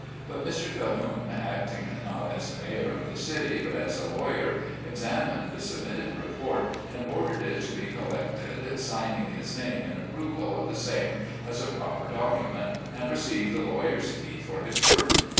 But Mr. Cahoone acting not as the mayor of the city, but as a lawyer, examined the submitted report and ordered it to be collected, signing his name in approval of the same as a proper document, and received the lawyer's fee for his work.